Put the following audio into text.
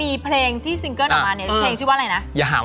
อีกอย่างค่ะ